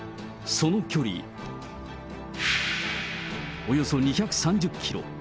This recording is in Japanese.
その距離、およそ２３０キロ。